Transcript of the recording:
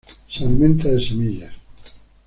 Se alimenta de semillas.